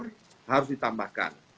infrastruktur harus ditambahkan